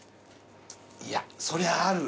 いやそりゃある。